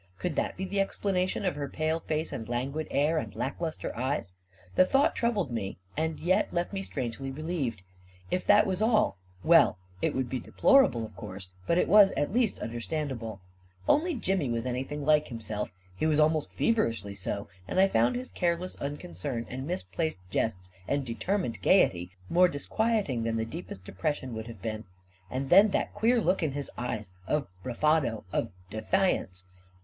Could that be the explanation of her pale face and languid air and lack lustre eyes ? The thought trou bled me — and yet left me strangely relieved. If that was all — well, it would be deplorable, of course, but it was, at least, understandable I Only Jimmy was anything like himself. He was almost feverishly so, and I found his careless uncon cern and misplaced jests and determined gayety more disquieting than the deepest depression would have been. And then that queer look in his eyes — of bravado, of defiance.